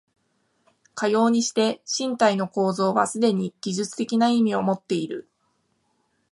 かようにして身体の構造はすでに技術的な意味をもっている。